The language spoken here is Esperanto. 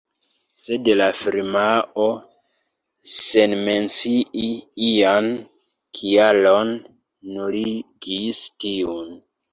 Sed la firmao, sen mencii ian kialon, nuligis tiun.